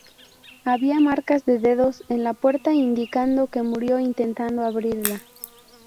Había marcas de dedos en la puerta, indicando que murió intentando abrirla.